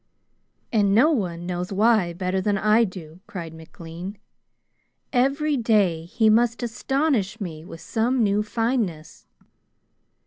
"And no one knows why better than I do," cried McLean. "Every day he must astonish me with some new fineness."